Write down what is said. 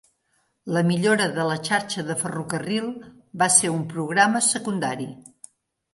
La millora de la xarxa de ferrocarril va ser un programa secundari.